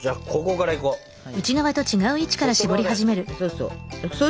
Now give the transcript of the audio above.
そうそう。